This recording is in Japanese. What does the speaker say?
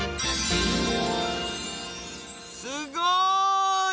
すごい！